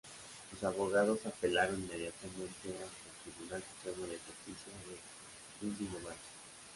Sus abogados apelaron inmediatamente ante el Tribunal Supremo de Justicia de Cundinamarca.